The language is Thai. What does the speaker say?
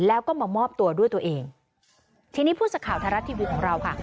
แล้วก็มามอบตัวด้วยตัวเองทีนี้ผู้สักข่าวไทยรัฐทีวีของเราค่ะ